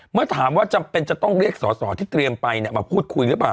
เมื่อถามว่าจำเป็นจะต้องเรียกสอสอที่เตรียมไปมาพูดคุยหรือเปล่า